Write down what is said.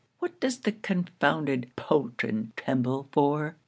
what does the confounded poltron tremble for?'